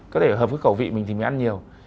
có thể hợp với cẩu vị mình thì mình ăn nhiều